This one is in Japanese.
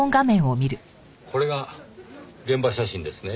これが現場写真ですね？